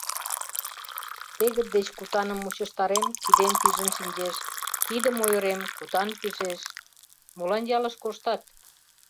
— Тегыт деч кутаным мучыштарем — кидем пижын шинчеш, кидым ойырем — кутан пижеш...» — Молан ялыш коштат?